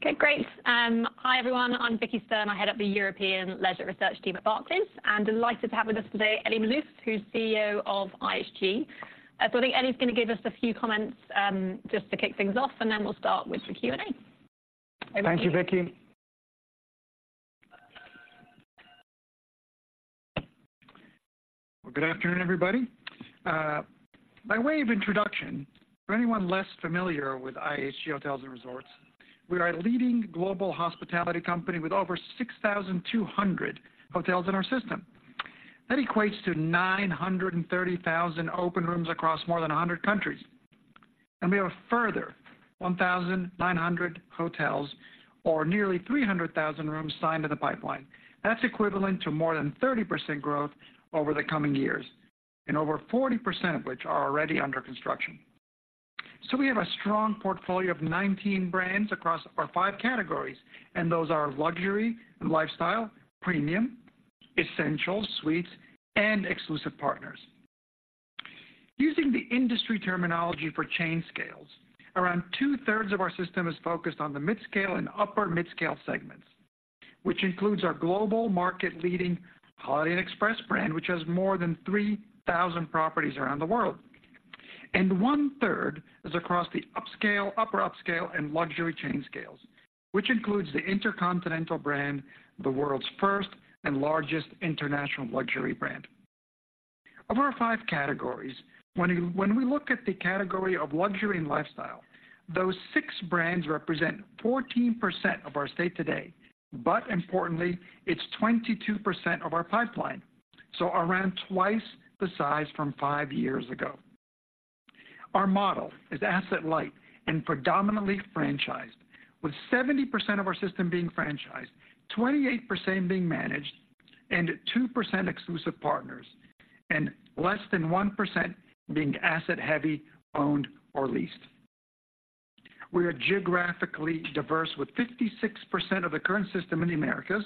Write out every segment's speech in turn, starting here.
Okay, great. Hi, everyone. I'm Vicki Stern. I head up the European leisure research team at Barclays, and delighted to have with us today, Elie Maalouf, who's CEO of IHG. So I think Elie's going to give us a few comments, just to kick things off, and then we'll start with the Q&A. Over to you. Thank you, Vicki. Well, good afternoon, everybody. By way of introduction, for anyone less familiar with IHG Hotels & Resorts, we are a leading global hospitality company with over 6,200 hotels in our system. That equates to 930,000 open rooms across more than 100 countries. We have a further 1,900 hotels, or nearly 300,000 rooms signed to the pipeline. That's equivalent to more than 30% growth over the coming years, and over 40% of which are already under construction. So we have a strong portfolio of 19 brands across our 5 categories, and those are luxury and lifestyle, premium, essential, suites, and exclusive partners. Using the industry terminology for chain scales, around two-thirds of our system is focused on the mid-scale and upper mid-scale segments, which includes our global market-leading Holiday Inn Express brand, which has more than 3,000 properties around the world. One-third is across the upscale, upper upscale, and luxury chain scales, which includes the InterContinental brand, the world's first and largest international luxury brand. Of our five categories, when we look at the category of luxury and lifestyle, those six brands represent 14% of our system today, but importantly, it's 22% of our pipeline, so around twice the size from five years ago. Our model is asset-light and predominantly franchised, with 70% of our system being franchised, 28% being managed, and 2% exclusive partners, and less than 1% being asset-heavy, owned, or leased. We are geographically diverse, with 56% of the current system in the Americas,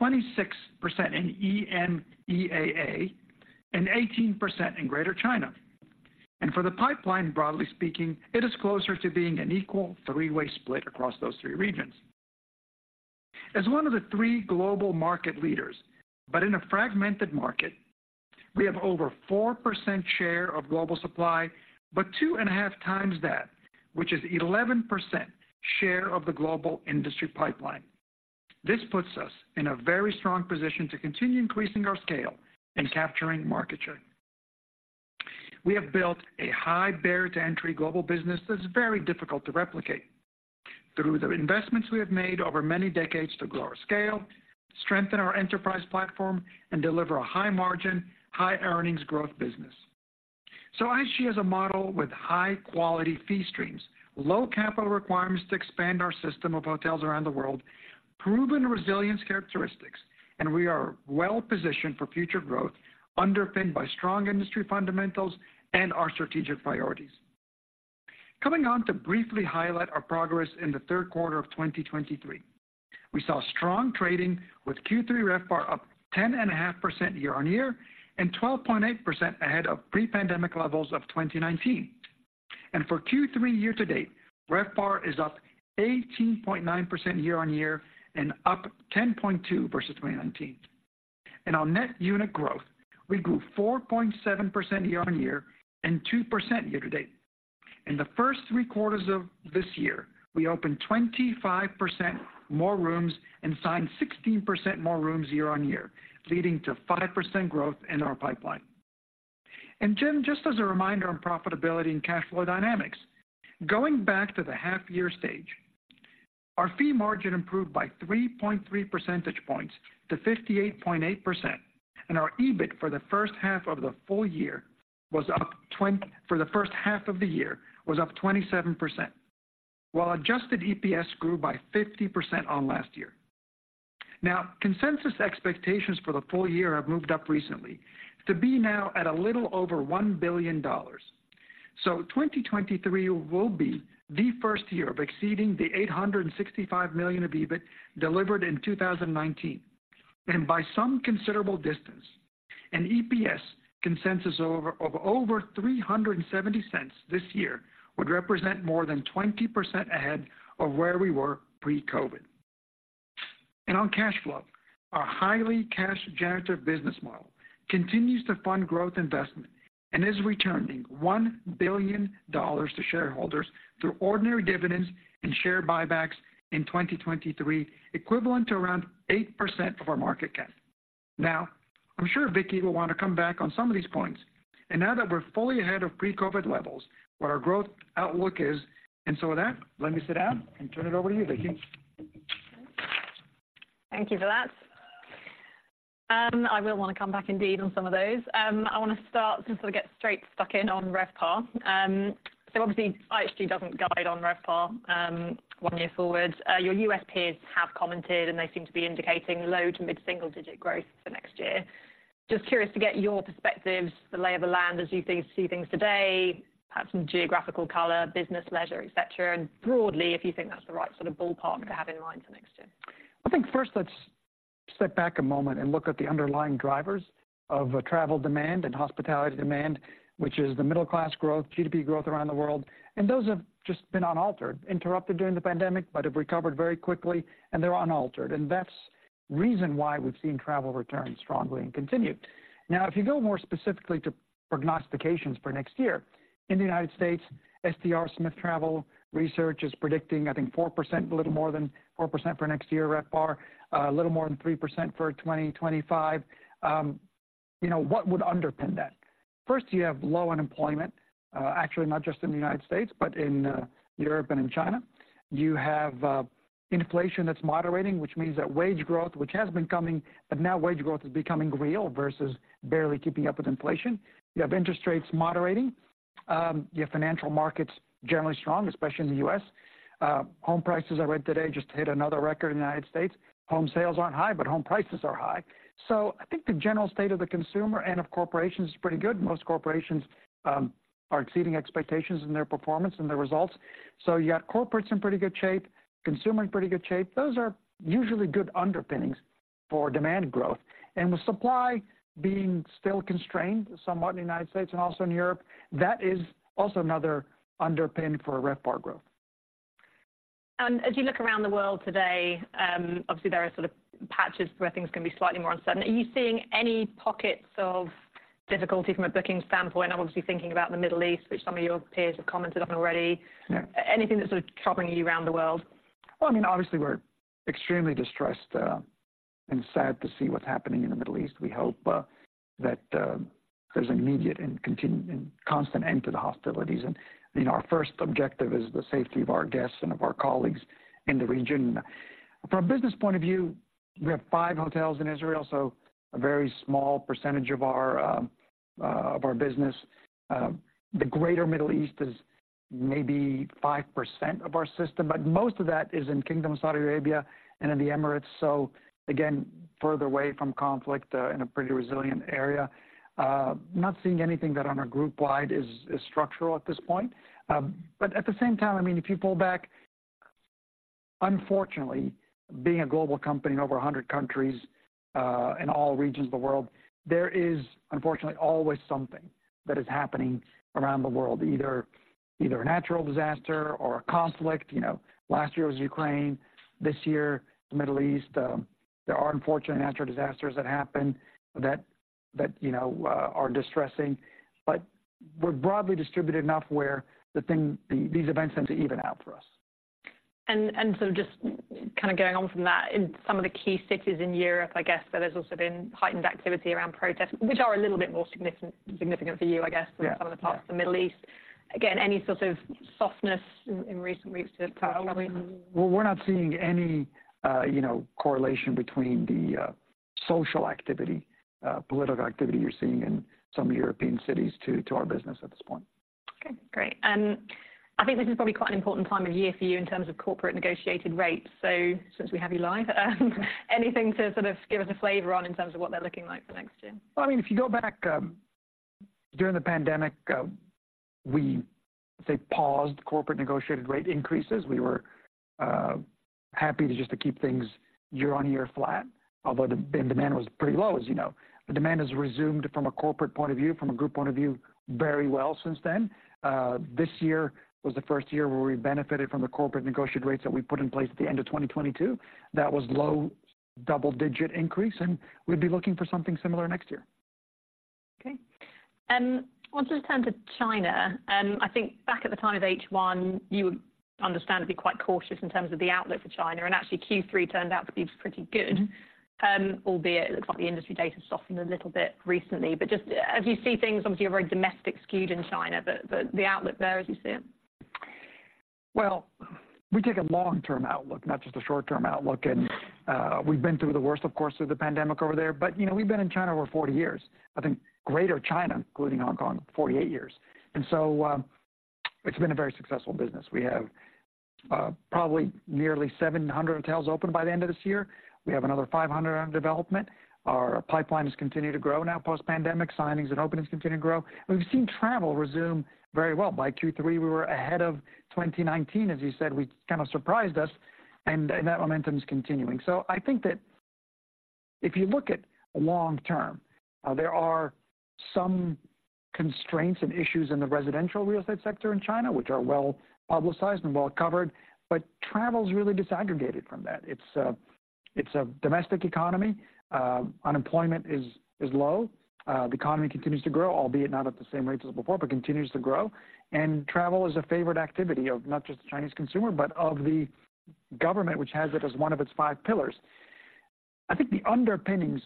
26% in EMEAA, and 18% in Greater China. For the pipeline, broadly speaking, it is closer to being an equal three-way split across those three regions. As one of the three global market leaders, but in a fragmented market, we have over 4% share of global supply, but two and a half times that, which is 11% share of the global industry pipeline. This puts us in a very strong position to continue increasing our scale and capturing market share. We have built a high barrier to entry global business that's very difficult to replicate. Through the investments we have made over many decades to grow our scale, strengthen our enterprise platform, and deliver a high margin, high earnings growth business. So IHG has a model with high-quality fee streams, low capital requirements to expand our system of hotels around the world, proven resilience characteristics, and we are well positioned for future growth, underpinned by strong industry fundamentals and our strategic priorities. Coming on to briefly highlight our progress in the third quarter of 2023. We saw strong trading with Q3 RevPAR up 10.5% year-on-year, and 12.8% ahead of pre-pandemic levels of 2019. For Q3 year-to-date, RevPAR is up 18.9% year-on-year and up 10.2 versus 2019. In our net unit growth, we grew 4.7% year-on-year and 2% year-to-date. In the first three quarters of this year, we opened 25% more rooms and signed 16% more rooms year-on-year, leading to 5% growth in our pipeline. Jim, just as a reminder on profitability and cash flow dynamics, going back to the half year stage, our fee margin improved by 3.3 percentage points to 58.8%, and our EBIT for the first half of the year was up 27%, while adjusted EPS grew by 50% on last year. Now, consensus expectations for the full year have moved up recently to be now at a little over $1 billion. So 2023 will be the first year of exceeding the $865 million of EBIT delivered in 2019, and by some considerable distance. EPS consensus over, of over $3.70 this year would represent more than 20% ahead of where we were pre-COVID. On cash flow, our highly cash generative business model continues to fund growth investment and is returning $1 billion to shareholders through ordinary dividends and share buybacks in 2023, equivalent to around 8% of our market cap. Now, I'm sure Vicki will want to come back on some of these points, and now that we're fully ahead of pre-COVID levels, what our growth outlook is. So with that, let me sit down and turn it over to you, Vicki. Thank you for that. I will want to come back indeed on some of those. I want to start, since we'll get straight stuck in on RevPAR. So obviously, IHG doesn't guide on RevPAR, one year forward. Your U.S. peers have commented, and they seem to be indicating low- to mid-single-digit growth for next year. Just curious to get your perspectives, the lay of the land as you see things today, perhaps some geographical color, business, leisure, et cetera, and broadly, if you think that's the right sort of ballpark to have in mind for next year. I think first, let's step back a moment and look at the underlying drivers of a travel demand and hospitality demand, which is the middle class growth, GDP growth around the world, and those have just been unaltered, interrupted during the pandemic, but have recovered very quickly, and they're unaltered. And that's reason why we've seen travel return strongly and continue. Now, if you go more specifically to prognostications for next year, in the United States, STR Smith Travel Research is predicting, I think 4%, a little more than 4% for next year, RevPAR. A little more than 3% for 2025. You know, what would underpin that? First, you have low unemployment, actually, not just in the United States, but in Europe and in China. You have inflation that's moderating, which means that wage growth, which has been coming, but now wage growth is becoming real versus barely keeping up with inflation. You have interest rates moderating. You have financial markets generally strong, especially in the U.S. Home prices I read today just hit another record in the United States. Home sales aren't high, but home prices are high. So I think the general state of the consumer and of corporations is pretty good. Most corporations are exceeding expectations in their performance and their results. So you have corporates in pretty good shape, consumer in pretty good shape. Those are usually good underpinnings for demand growth, and with supply being still constrained somewhat in the United States and also in Europe, that is also another underpin for RevPAR growth. As you look around the world today, obviously there are sort of patches where things can be slightly more uncertain. Are you seeing any pockets of difficulty from a booking standpoint? I'm obviously thinking about the Middle East, which some of your peers have commented on already. Yeah. Anything that's sort of troubling you around the world? Well, I mean, obviously, we're extremely distressed and sad to see what's happening in the Middle East. We hope that there's an immediate and constant end to the hostilities. And, you know, our first objective is the safety of our guests and of our colleagues in the region. From a business point of view, we have five hotels in Israel, so a very small percentage of our business. The greater Middle East is maybe 5% of our system, but most of that is in Kingdom of Saudi Arabia and in the Emirates. So again, further away from conflict, in a pretty resilient area. Not seeing anything that on a group wide is structural at this point. But at the same time, I mean, if you pull back, unfortunately, being a global company in over 100 countries, in all regions of the world, there is unfortunately always something that is happening around the world, either a natural disaster or a conflict. You know, last year was Ukraine, this year, the Middle East. There are unfortunate natural disasters that happen that you know are distressing. But we're broadly distributed enough where these events tend to even out for us. So just kind of getting on from that, in some of the key cities in Europe, I guess, there has also been heightened activity around protests, which are a little bit more significant for you, I guess- Yeah. -than some other parts of the Middle East. Again, any sort of softness in recent weeks to travel? Well, we're not seeing any, you know, correlation between the social activity, political activity you're seeing in some European cities to, to our business at this point. Okay, great. I think this is probably quite an important time of year for you in terms of corporate negotiated rates. So since we have you live, anything to sort of give us a flavor on in terms of what they're looking like for next year? Well, I mean, if you go back, during the pandemic, we say, paused corporate negotiated rate increases. We were happy to just keep things year-on-year flat, although demand was pretty low, as you know. The demand has resumed from a corporate point of view, from a group point of view, very well since then. This year was the first year where we benefited from the corporate negotiated rates that we put in place at the end of 2022. That was low double-digit increase, and we'd be looking for something similar next year. Okay. I'll just turn to China. I think back at the time of H1, you would understandably be quite cautious in terms of the outlook for China, and actually, Q3 turned out to be pretty good. Albeit, it looks like the industry data softened a little bit recently, but just as you see things, obviously, you're very domestic skewed in China, but the, the outlook there as you see it? Well, we take a long-term outlook, not just a short-term outlook, and we've been through the worst, of course, through the pandemic over there. But, you know, we've been in China over 40 years. I think Greater China, including Hong Kong, 48 years. And so, it's been a very successful business. We have, probably nearly 700 hotels open by the end of this year. We have another 500 under development. Our pipelines continue to grow now, post-pandemic, signings and openings continue to grow. We've seen travel resume very well. By Q3, we were ahead of 2019, as you said, which kind of surprised us, and that momentum is continuing. So I think that if you look at long term, there are some constraints and issues in the residential real estate sector in China, which are well publicized and well covered, but travel is really disaggregated from that. It's a domestic economy. Unemployment is low. The economy continues to grow, albeit not at the same rate as before, but continues to grow. And travel is a favorite activity of not just the Chinese consumer, but of the government, which has it as one of its five pillars. I think the underpinnings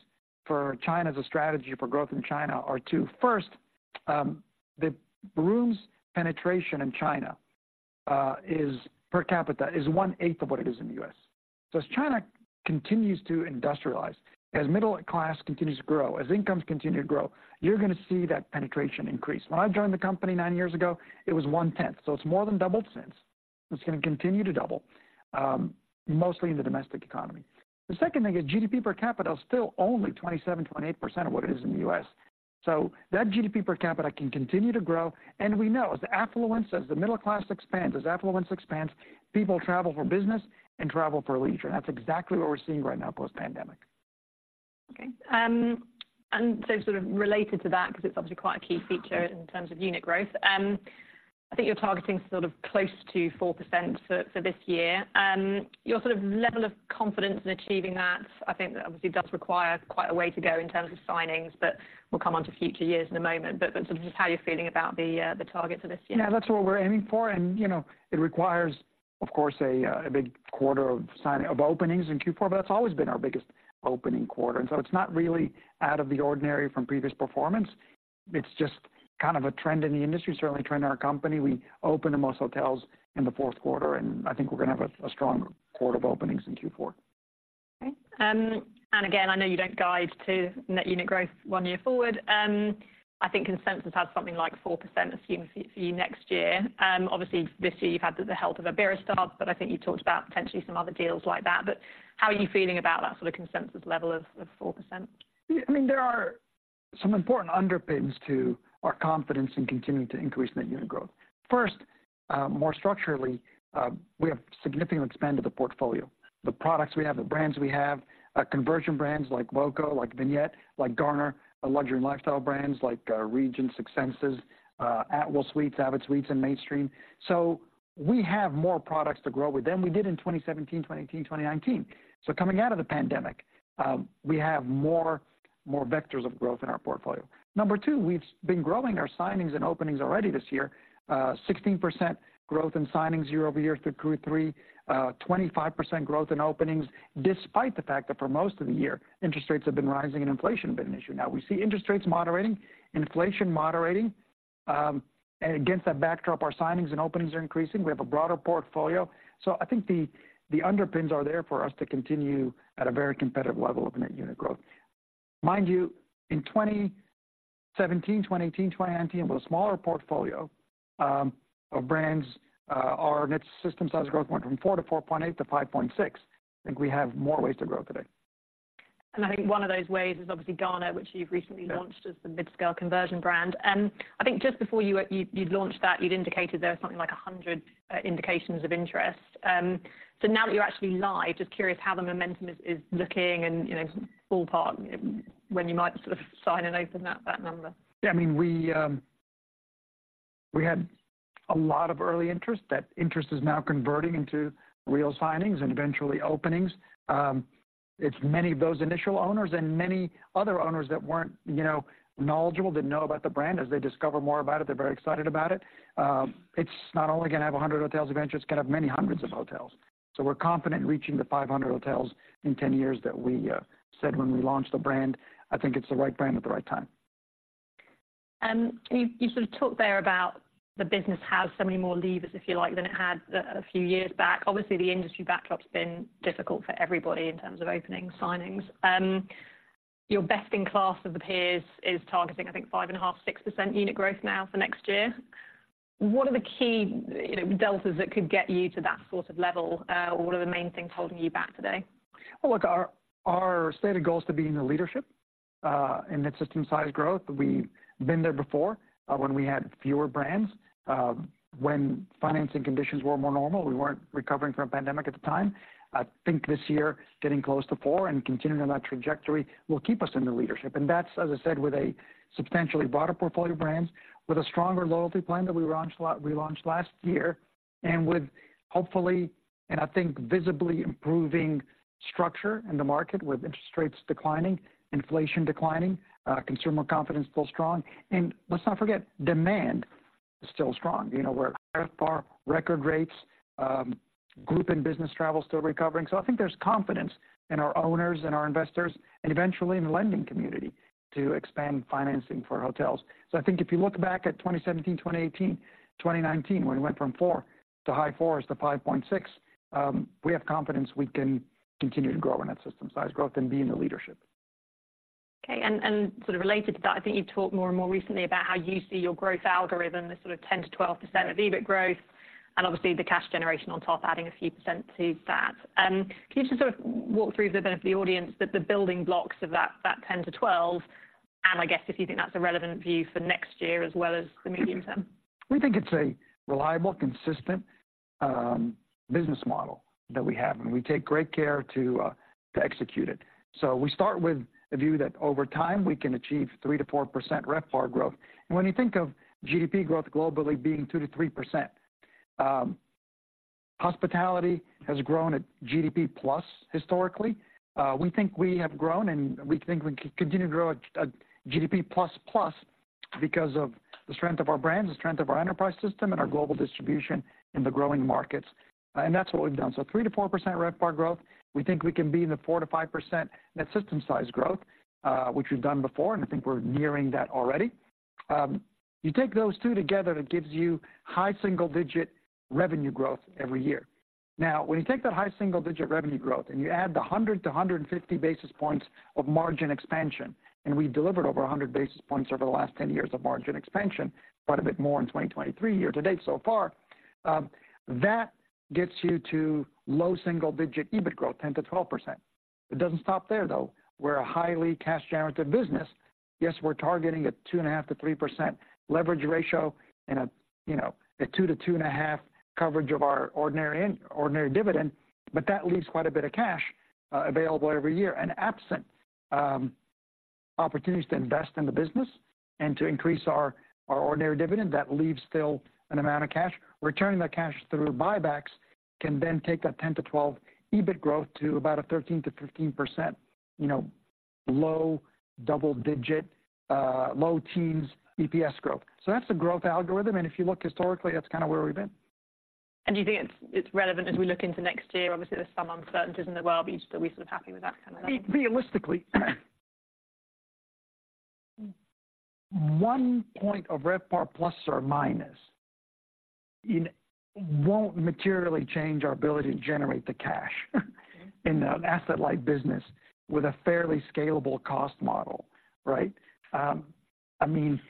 for China as a strategy for growth in China are two. First, the rooms penetration in China is per capita one-eighth of what it is in the U.S. So as China continues to industrialize, as middle class continues to grow, as incomes continue to grow, you're going to see that penetration increase. When I joined the company nine years ago, it was one-tenth, so it's more than doubled since. It's going to continue to double, mostly in the domestic economy. The second thing is GDP per capita is still only 27%-28% of what it is in the U.S. So that GDP per capita can continue to grow. And we know as the affluence, as the middle class expands, as affluence expands, people travel for business and travel for leisure. And that's exactly what we're seeing right now post-pandemic. Okay, and so sort of related to that, because it's obviously quite a key feature in terms of unit growth. I think you're targeting sort of close to 4% for this year. Your sort of level of confidence in achieving that, I think, obviously does require quite a way to go in terms of signings, but we'll come on to future years in a moment. But sort of just how you're feeling about the targets for this year. Yeah, that's what we're aiming for. You know, it requires, of course, a big quarter of openings in Q4, but that's always been our biggest opening quarter, and so it's not really out of the ordinary from previous performance. It's just kind of a trend in the industry, certainly a trend in our company. We open the most hotels in the fourth quarter, and I think we're going to have a strong quarter of openings in Q4. Okay. And again, I know you don't guide to net unit growth one year forward. I think consensus has something like 4% assumed for you next year. Obviously, this year you've had the help of Iberostar, but I think you talked about potentially some other deals like that. But how are you feeling about that sort of consensus level of four percent? Yeah, I mean, there are some important underpinnings to our confidence in continuing to increase net unit growth. First, more structurally, we have significantly expanded the portfolio. The products we have, the brands we have, conversion brands like voco, like Vignette, like Garner, the Luxury and Lifestyle brands like, Regent, Six Senses, Atwell Suites, avid hotels, and Mainstream. So we have more products to grow with than we did in 2017, 2018, 2019. So coming out of the pandemic, we have more, more vectors of growth in our portfolio. Number two, we've been growing our signings and openings already this year, 16% growth in signings year over year through Q3, 25% growth in openings, despite the fact that for most of the year, interest rates have been rising and inflation have been an issue. Now we see interest rates moderating, inflation moderating, and against that backdrop, our signings and openings are increasing. We have a broader portfolio, so I think the underpins are there for us to continue at a very competitive level of net unit growth. Mind you, in 2017, 2018, 2019, with a smaller portfolio of brands, our net system size growth went from 4 to 4.8 to 5.6. I think we have more ways to grow today. I think one of those ways is obviously Garner, which you've recently launched- Yeah... as the mid-scale conversion brand. I think just before you launched that, you'd indicated there was something like 100 indications of interest. So now that you're actually live, just curious how the momentum is looking and, you know, ballpark, when you might sort of sign and open that number. Yeah, I mean, we, we had a lot of early interest. That interest is now converting into real signings and eventually openings. It's many of those initial owners and many other owners that weren't, you know, knowledgeable, didn't know about the brand. As they discover more about it, they're very excited about it. It's not only going to have 100 hotels, eventually, it's going to have many hundreds of hotels. So we're confident in reaching the 500 hotels in 10 years that we said when we launched the brand. I think it's the right brand at the right time. You sort of talked there about the business has so many more levers, if you like, than it had a few years back. Obviously, the industry backdrop's been difficult for everybody in terms of opening, signings. Your best in class of the peers is targeting, I think, 5.5%-6% unit growth now for next year. What are the key, you know, deltas that could get you to that sort of level? What are the main things holding you back today? Well, look, our, our stated goal is to be in the leadership in net system size growth. We've been there before, when we had fewer brands, when financing conditions were more normal. We weren't recovering from a pandemic at the time. I think this year, getting close to four and continuing on that trajectory will keep us in the leadership. And that's, as I said, with a substantially broader portfolio brands, with a stronger loyalty plan that we relaunched last year, and with hopefully, and I think, visibly improving structure in the market, with interest rates declining, inflation declining, consumer confidence still strong. And let's not forget, demand is still strong. You know, we're at par, record rates, group and business travel is still recovering. So I think there's confidence in our owners and our investors and eventually in the lending community to expand financing for hotels. So I think if you look back at 2017, 2018, 2019, when we went from four to high 4s to 5.6, we have confidence we can continue to grow in that system size growth and be in the leadership. Okay, and, and sort of related to that, I think you've talked more and more recently about how you see your growth algorithm as sort of 10%-12% EBIT growth, and obviously the cash generation on top, adding a few percent to that. Can you just sort of walk through the benefit of the audience, the building blocks of that 10%-12%? And I guess if you think that's a relevant view for next year as well as the medium term. We think it's a reliable, consistent, business model that we have, and we take great care to, to execute it. So we start with the view that over time, we can achieve 3%-4% RevPAR growth. And when you think of GDP growth globally being 2%-3%, hospitality has grown at GDP plus, historically. We think we have grown, and we think we can continue to grow at, GDP plus, plus because of the strength of our brands, the strength of our enterprise system, and our global distribution in the growing markets. And that's what we've done. So 3%-4% RevPAR growth, we think we can be in the 4%-5% net system size growth, which we've done before, and I think we're nearing that already. You take those two together, that gives you high single-digit revenue growth every year. Now, when you take that high single-digit revenue growth, and you add the 100 to 150 basis points of margin expansion, and we delivered over 100 basis points over the last 10 years of margin expansion, quite a bit more in 2023, year-to-date so far. That gets you to low single-digit EBIT growth, 10%-12%. It doesn't stop there, though. We're a highly cash generative business.... Yes, we're targeting a 2.5%-3% leverage ratio and a, you know, a 2 to 2.5 coverage of our ordinary dividend, but that leaves quite a bit of cash available every year. Absent opportunities to invest in the business and to increase our ordinary dividend, that leaves still an amount of cash. Returning that cash through buybacks can then take that 10-12 EBIT growth to about a 13%-15%, you know, low double digit, low teens EPS growth. So that's the growth algorithm, and if you look historically, that's kind of where we've been. Do you think it's relevant as we look into next year? Obviously, there's some uncertainties in the world, but are we sort of happy with that kind of- Realistically, one point of RevPAR ± won't materially change our ability to generate the cash in an asset-light business with a fairly scalable cost model, right? I mean,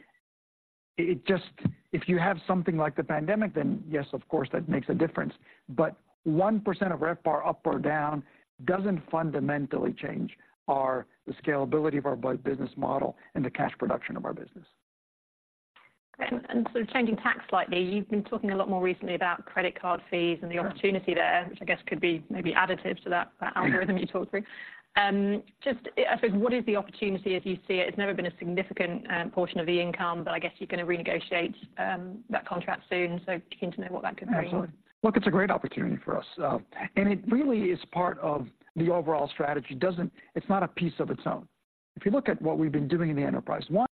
it just... If you have something like the pandemic, then yes, of course, that makes a difference. But 1% of RevPAR up or down doesn't fundamentally change our, the scalability of our business model and the cash production of our business. So changing tack slightly, you've been talking a lot more recently about credit card fees and the opportunity there, which I guess could be maybe additive to that algorithm you talked through. Just, I think, what is the opportunity as you see it? It's never been a significant portion of the income, but I guess you're going to renegotiate that contract soon. So keen to know what that could mean. Excellent. Look, it's a great opportunity for us, and it really is part of the overall strategy. It's not a piece of its own. If you look at what we've been doing in the enterprise, one,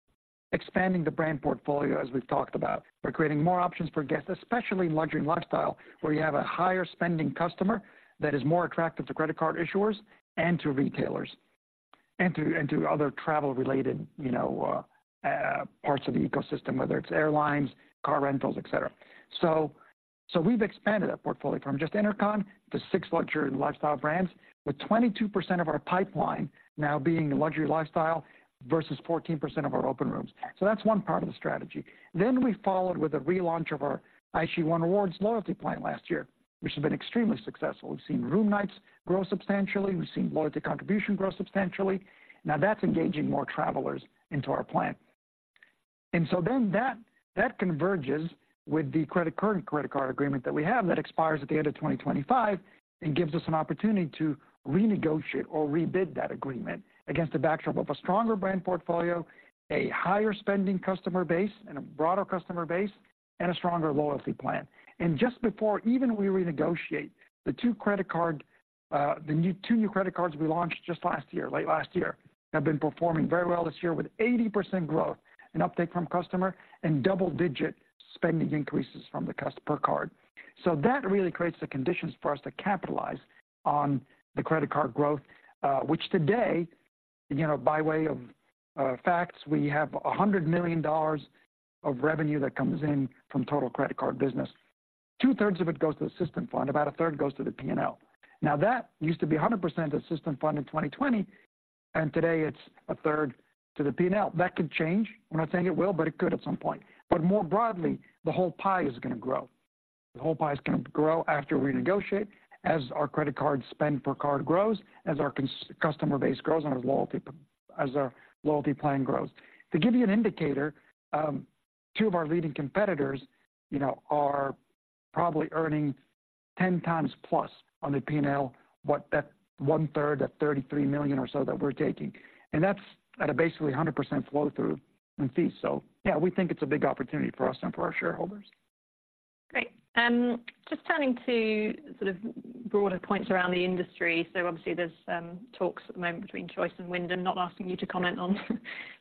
expanding the brand portfolio, as we've talked about. We're creating more options for guests, especially in luxury and lifestyle, where you have a higher spending customer that is more attractive to credit card issuers and to retailers and to, and to other travel-related, you know, parts of the ecosystem, whether it's airlines, car rentals, et cetera. So, so we've expanded that portfolio from just InterCon to six luxury and lifestyle brands, with 22% of our pipeline now being in luxury lifestyle versus 14% of our open rooms. So that's one part of the strategy. Then we followed with a relaunch of our IHG One Rewards loyalty plan last year, which has been extremely successful. We've seen room nights grow substantially. We've seen loyalty contribution grow substantially. Now that's engaging more travelers into our plan. And so then that, that converges with the credit card, credit card agreement that we have that expires at the end of 2025 and gives us an opportunity to renegotiate or rebid that agreement against the backdrop of a stronger brand portfolio, a higher spending customer base and a broader customer base, and a stronger loyalty plan. And just before even we renegotiate, the two new credit cards we launched just last year, late last year, have been performing very well this year, with 80% growth, an uptake from customer and double-digit spending increases from the customer per card. So that really creates the conditions for us to capitalize on the credit card growth, which today, you know, by way of facts, we have $100 million of revenue that comes in from total credit card business. Two-thirds of it goes to the system fund, about a third goes to the P&L. Now, that used to be 100% the system fund in 2020, and today it's a third to the P&L. That could change. We're not saying it will, but it could at some point. But more broadly, the whole pie is going to grow. The whole pie is going to grow after we renegotiate, as our credit card spend per card grows, as our customer base grows, and as our loyalty plan grows. To give you an indicator, two of our leading competitors, you know, are probably earning 10x plus on the P&L, what that one-third, that $33 million or so that we're taking, and that's at a basically 100% flow-through in fees. So yeah, we think it's a big opportunity for us and for our shareholders. Great. Just turning to sort of broader points around the industry. So obviously there's talks at the moment between Choice and Wyndham, not asking you to comment on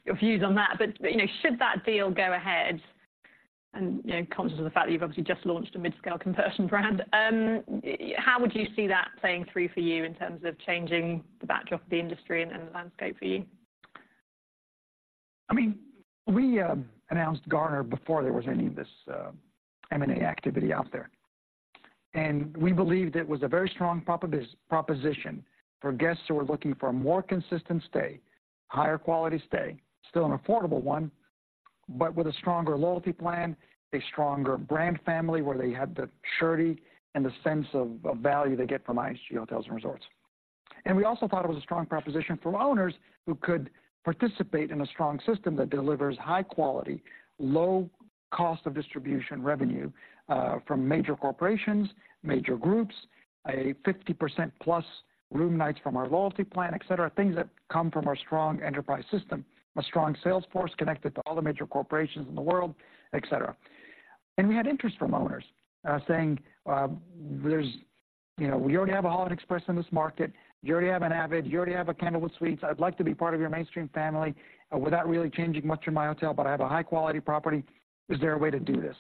your views on that, but, you know, should that deal go ahead and, you know, conscious of the fact that you've obviously just launched a midscale conversion brand, how would you see that playing through for you in terms of changing the backdrop of the industry and the landscape for you? I mean, we announced Garner before there was any of this M&A activity out there, and we believed it was a very strong proposition for guests who are looking for a more consistent stay, higher quality stay, still an affordable one, but with a stronger loyalty plan, a stronger brand family, where they had the surety and the sense of value they get from IHG Hotels & Resorts. And we also thought it was a strong proposition for owners who could participate in a strong system that delivers high quality, low cost of distribution revenue from major corporations, major groups, a 50%+ room nights from our loyalty plan, et cetera, things that come from our strong enterprise system, a strong sales force connected to all the major corporations in the world, et cetera. And we had interest from owners saying there's. And we had interest from owners saying there's, you know, we already have a Holiday Inn Express in this market. You already have an avid, you already have a Candlewood Suites. I'd like to be part of your mainstream family without really changing much in my hotel, but I have a high-quality property. Is there a way to do this?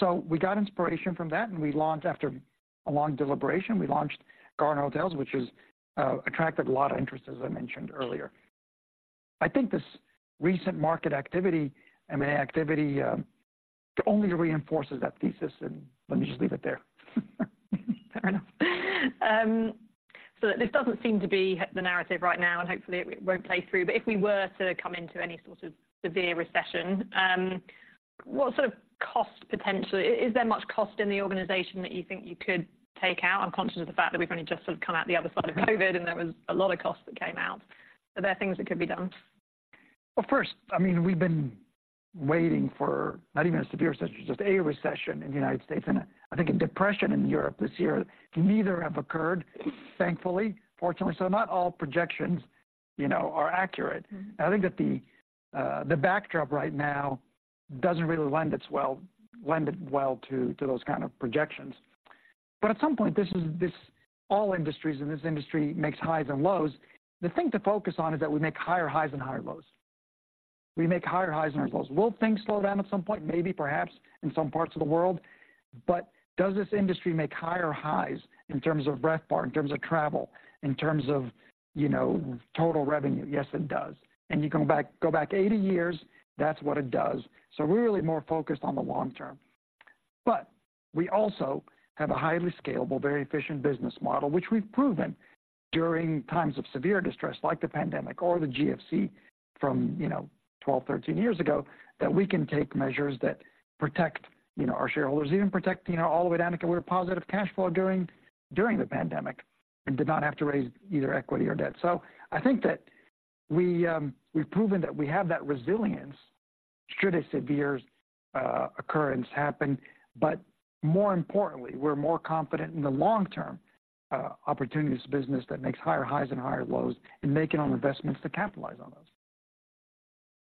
So we got inspiration from that, and we launched after a long deliberation. We launched Garner Hotels, which has attracted a lot of interest, as I mentioned earlier. I think this recent market activity, M&A activity only reinforces that thesis, and let me just leave it there. Fair enough. So this doesn't seem to be the narrative right now, and hopefully it won't play through. But if we were to come into any sort of severe recession, what sort of cost potentially? Is there much cost in the organization that you think you could take out? I'm conscious of the fact that we've only just sort of come out the other side of COVID, and there was a lot of costs that came out. Are there things that could be done? Well, first, I mean, we've been waiting for not even a severe recession, just a recession in the United States, and I think a depression in Europe this year. Neither have occurred, thankfully. Fortunately, so not all projections, you know, are accurate. I think that the backdrop right now doesn't really lend itself well to those kind of projections. But at some point, all industries, and this industry makes highs and lows. The thing to focus on is that we make higher highs and higher lows. We make higher highs and higher lows. Will things slow down at some point? Maybe, perhaps, in some parts of the world. But does this industry make higher highs in terms of RevPAR, in terms of travel, in terms of, you know, total revenue? Yes, it does. You go back, go back eighty years, that's what it does. So we're really more focused on the long term. But we also have a highly scalable, very efficient business model, which we've proven during times of severe distress, like the pandemic or the GFC from, you know, 12, 13 years ago, that we can take measures that protect, you know, our shareholders, even protect, you know, all the way down, we were positive cash flow during the pandemic and did not have to raise either equity or debt. So I think that we, we've proven that we have that resilience should a severe occurrence happen. But more importantly, we're more confident in the long term, opportunities business that makes higher highs and higher lows and making on investments to capitalize on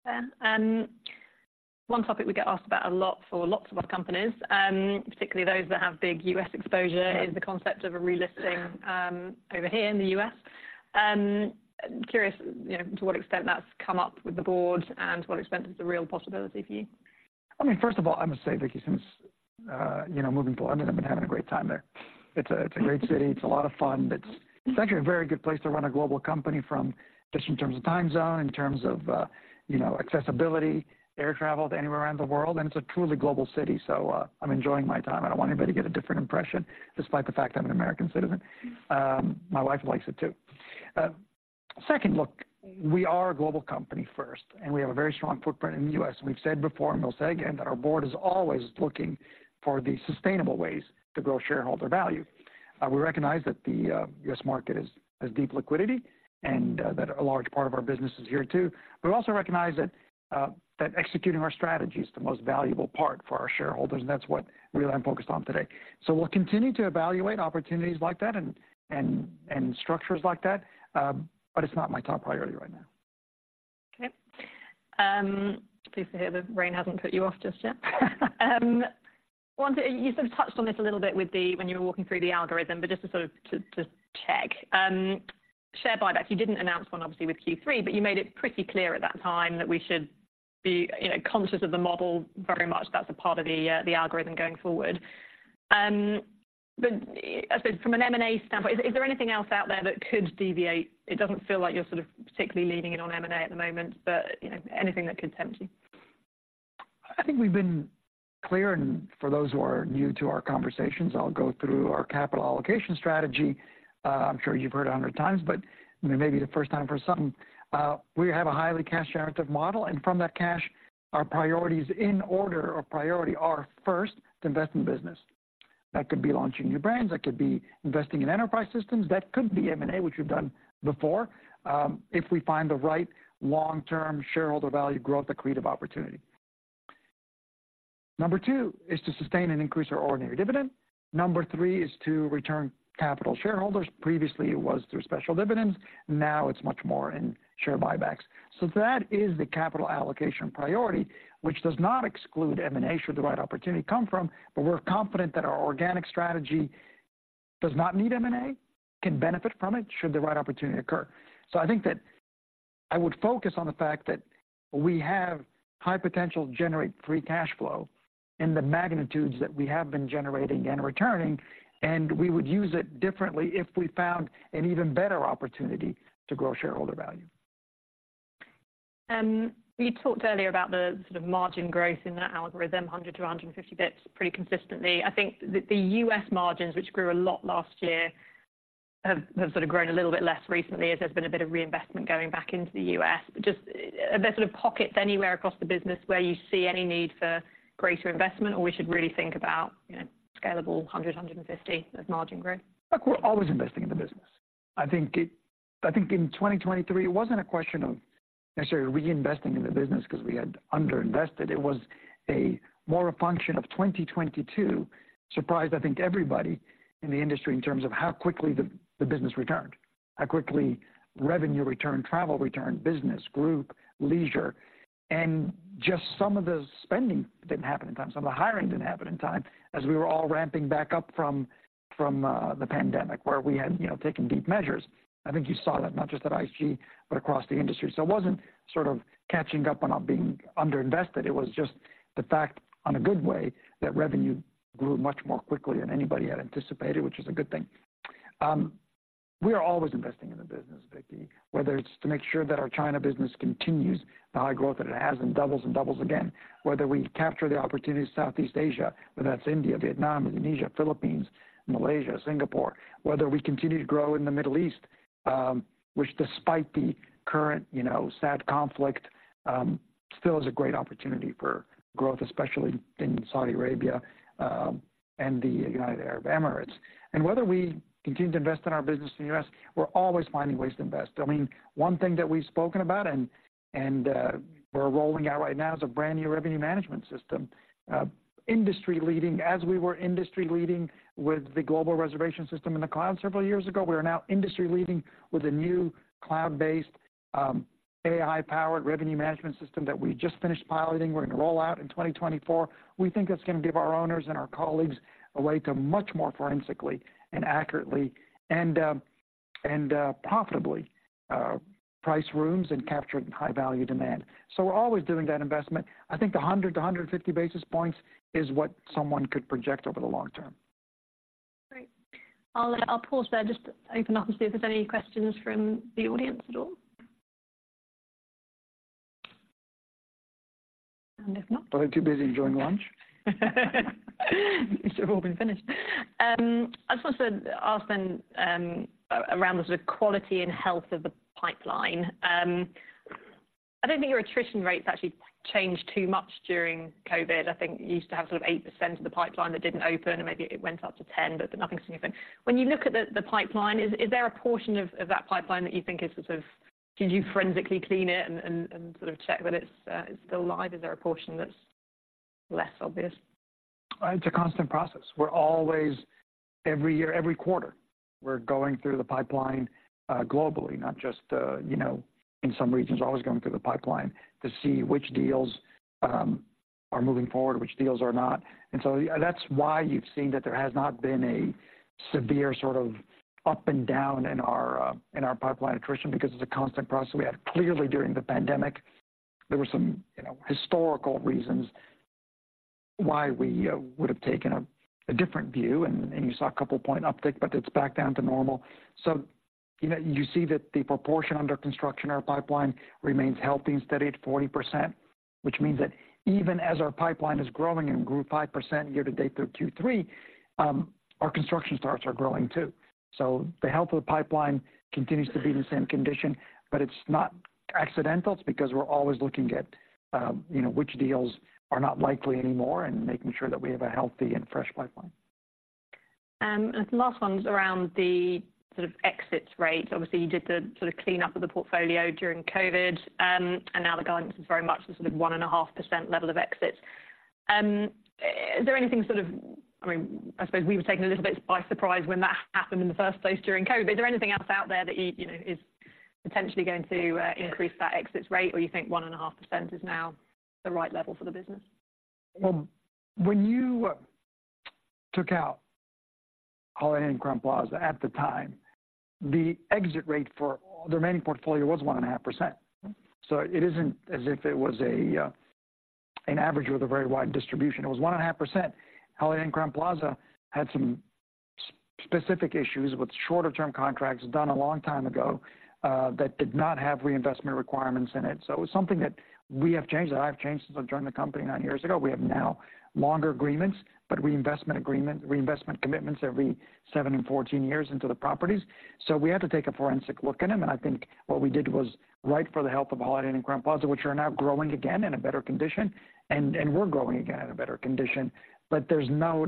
those. One topic we get asked about a lot for lots of our companies, particularly those that have big U.S. exposure, is the concept of a relisting, over here in the U.S. Curious, you know, to what extent that's come up with the board and what extent is a real possibility for you? I mean, first of all, I must say, Vicki, since, you know, moving to London, I've been having a great time there. It's a, it's a great city. It's a lot of fun. It's actually a very good place to run a global company from, just in terms of time zone, in terms of, you know, accessibility, air travel to anywhere around the world, and it's a truly global city. So, I'm enjoying my time. I don't want anybody to get a different impression, despite the fact I'm an American citizen. My wife likes it, too. Second, look, we are a global company first, and we have a very strong footprint in the U.S. We've said before, and we'll say again, that our board is always looking for the sustainable ways to grow shareholder value. We recognize that the U.S. market has deep liquidity and that a large part of our business is here, too. We also recognize that executing our strategy is the most valuable part for our shareholders, and that's what really I'm focused on today. So we'll continue to evaluate opportunities like that and structures like that, but it's not my top priority right now. Okay. Pleased to hear the rain hasn't put you off just yet. One thing, you sort of touched on this a little bit with the, when you were walking through the algorithm, but just to sort of to check. Share buybacks, you didn't announce one, obviously, with Q3, but you made it pretty clear at that time that we should be, you know, conscious of the model very much. That's a part of the algorithm going forward. But I said, from an M&A standpoint, is there anything else out there that could deviate? It doesn't feel like you're sort of particularly leaning in on M&A at the moment, but, you know, anything that could tempt you? I think we've been clear, and for those who are new to our conversations, I'll go through our capital allocation strategy. I'm sure you've heard it 100 times, but maybe the first time for some. We have a highly cash-generative model, and from that cash, our priorities in order of priority are, first, to invest in the business. That could be launching new brands, that could be investing in enterprise systems, that could be M&A, which we've done before, if we find the right long-term shareholder value growth accretive opportunity. Number two is to sustain and increase our ordinary dividend. Number three is to return capital to shareholders. Previously, it was through special dividends, now it's much more in share buybacks. That is the capital allocation priority, which does not exclude M&A should the right opportunity come from, but we're confident that our organic strategy does not need M&A, can benefit from it should the right opportunity occur. I think that I would focus on the fact that we have high potential to generate free cash flow in the magnitudes that we have been generating and returning, and we would use it differently if we found an even better opportunity to grow shareholder value. You talked earlier about the sort of margin growth in that algorithm, 100-150 basis points pretty consistently. I think the US margins, which grew a lot last year, have sort of grown a little bit less recently, as there's been a bit of reinvestment going back into the US. But just, are there sort of pockets anywhere across the business where you see any need for greater investment, or we should really think about, you know, scalable 100-150 as margin growth? Look, we're always investing in the business. I think it, I think in 2023, it wasn't a question of necessarily reinvesting in the business because we had underinvested. It was more a function of 2022, surprised, I think, everybody in the industry in terms of how quickly the business returned, how quickly revenue returned, travel returned, business, group, leisure. And just some of the spending didn't happen in time. Some of the hiring didn't happen in time as we were all ramping back up from, from the pandemic, where we had, you know, taken deep measures. I think you saw that not just at IHG, but across the industry. So it wasn't sort of catching up on not being underinvested. It was just the fact, on a good way, that revenue grew much more quickly than anybody had anticipated, which is a good thing.... We are always investing in the business, Vicki, whether it's to make sure that our China business continues the high growth that it has and doubles and doubles again. Whether we capture the opportunity in Southeast Asia, whether that's India, Vietnam, Indonesia, Philippines, Malaysia, Singapore. Whether we continue to grow in the Middle East, which despite the current, you know, sad conflict, still is a great opportunity for growth, especially in Saudi Arabia, and the United Arab Emirates. And whether we continue to invest in our business in the U.S., we're always finding ways to invest. I mean, one thing that we've spoken about and we're rolling out right now is a brand new revenue management system. Industry-leading, as we were industry-leading with the global reservation system in the cloud several years ago. We are now industry-leading with a new cloud-based, AI-powered revenue management system that we just finished piloting. We're going to roll out in 2024. We think it's going to give our owners and our colleagues a way to much more forensically and accurately and profitably price rooms and capture high-value demand. So we're always doing that investment. I think the 100-150 basis points is what someone could project over the long term. Great. I'll, I'll pause there just to open up and see if there's any questions from the audience at all. And if not- Are they too busy enjoying lunch? They've all been finished. I just wanted to ask then, around the sort of quality and health of the pipeline. I don't think your attrition rates actually changed too much during COVID. I think you used to have sort of 8% of the pipeline that didn't open, and maybe it went up to 10%, but nothing significant. When you look at the pipeline, is there a portion of that pipeline that you think is sort of... Did you forensically clean it and sort of check that it's still live? Is there a portion that's less obvious? It's a constant process. We're always, every year, every quarter, we're going through the pipeline, globally, not just, you know, in some regions. Always going through the pipeline to see which deals are moving forward, which deals are not. And so that's why you've seen that there has not been a severe sort of up and down in our pipeline attrition, because it's a constant process. We had clearly during the pandemic, there were some, you know, historical reasons why we would have taken a different view, and you saw a couple point uptick, but it's back down to normal. So, you know, you see that the proportion under construction in our pipeline remains healthy and steady at 40%, which means that even as our pipeline is growing and grew 5% year to date through Q3, our construction starts are growing, too. So the health of the pipeline continues to be in the same condition, but it's not accidental. It's because we're always looking at, you know, which deals are not likely anymore and making sure that we have a healthy and fresh pipeline. And the last one's around the sort of exits rate. Obviously, you did the sort of cleanup of the portfolio during COVID, and now the guidance is very much the sort of 1.5% level of exits. Is there anything sort of... I mean, I suppose we were taken a little bit by surprise when that happened in the first place during COVID. Is there anything else out there that you, you know, is potentially going to increase that exits rate, or you think 1.5% is now the right level for the business? Well, when you took out Holiday Inn Crowne Plaza at the time, the exit rate for the remaining portfolio was 1.5%. So it isn't as if it was a, an average with a very wide distribution. It was 1.5%. Holiday Inn Crowne Plaza had some specific issues with shorter-term contracts done a long time ago, that did not have reinvestment requirements in it. So it was something that we have changed, that I've changed since I've joined the company nine years ago. We have now longer agreements, but reinvestment commitments every seven and 14 years into the properties. So we had to take a forensic look at them, and I think what we did was right for the health of Holiday Inn and Crowne Plaza, which are now growing again in a better condition, and we're growing again in a better condition. But there's no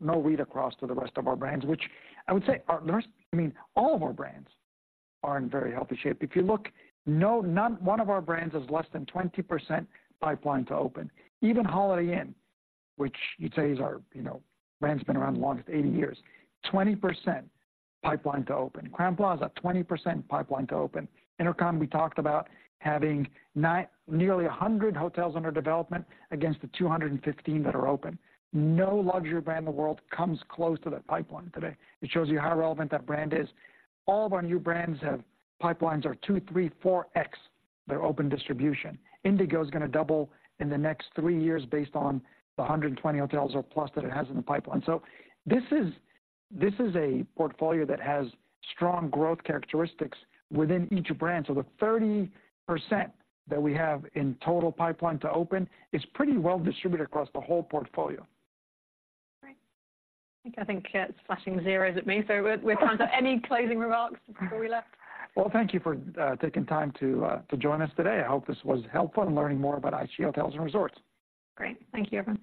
read across to the rest of our brands, which I would say are the rest, I mean, all of our brands are in very healthy shape. If you look, not one of our brands is less than 20% pipeline to open. Even Holiday Inn, which you'd say is our, you know, brand that's been around the longest, 80 years, 20% pipeline to open. Crowne Plaza, 20% pipeline to open. InterContinental, we talked about having nearly 100 hotels under development against the 215 that are open. No luxury brand in the world comes close to that pipeline today. It shows you how relevant that brand is. All of our new brands have pipelines are two, three, 4x. They're open distribution. Indigo is going to double in the next three years based on the 120 hotels or plus that it has in the pipeline. So this is, this is a portfolio that has strong growth characteristics within each brand. So the 30% that we have in total pipeline to open is pretty well distributed across the whole portfolio. Great. I think it's flashing zeros at me, so we're trying to... Any closing remarks before we left? Well, thank you for taking time to join us today. I hope this was helpful in learning more about IHG Hotels and Resorts. Great. Thank you, everyone.